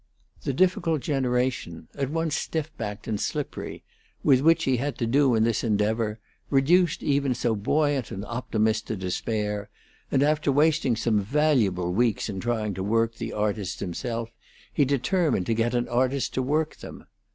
The difficult generation, at once stiff backed and slippery, with which he had to do in this endeavor, reduced even so buoyant an optimist to despair, and after wasting some valuable weeks in trying to work the artists himself, he determined to get an artist to work them.